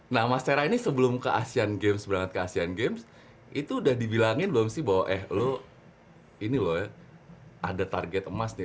nah mas tera ini sebelum ke asean games berangkat ke asean games itu udah dibilangin belum sih bahwa eh lu ini loh ya ada target emas nih